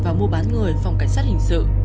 và mưu bán người phòng cảnh sát hình sự